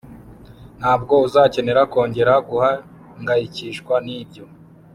Ntabwo uzakenera kongera guhangayikishwa nibyo